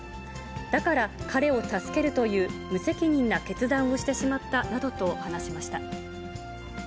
だから彼を助けるという無責任な決断をしてしまったなどと話しました。